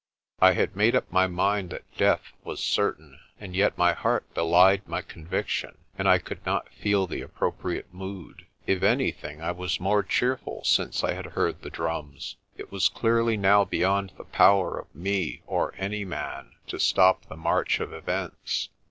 I had made up my mind that death was certain, and yet my heart belied my conviction, and I could not feel the appropriate mood. If anything, I was more cheerful since I had heard the drums. It was clearly now beyond the power of me or any man to stop the march of events.